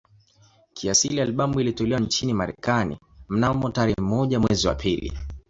Kiasili albamu ilitolewa nchini Marekani mnamo tarehe moja mwezi wa pili